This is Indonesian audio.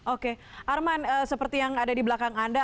oke arman seperti yang ada di belakang anda